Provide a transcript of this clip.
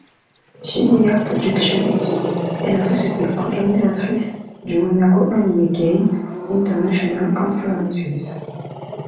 Shibuya Productions est la société organisatrice du Monaco Anime Game International Conferences.